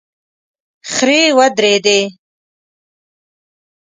خرې ودرېدې.